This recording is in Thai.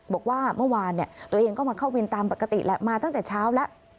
บอกว่าเมื่อวานเนี่ยตัวเองก็มาเข้าวินตามปกติแล้ว